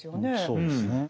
そうですね。